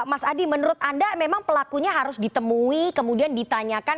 mas adi menurut anda memang pelakunya harus ditemui kemudian ditanyakan